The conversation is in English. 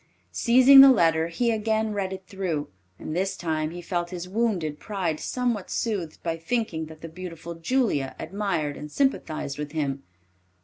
Seizing the letter, he again read it through, and this time he felt his wounded pride somewhat soothed by thinking that the beautiful Julia admired and sympathized with him.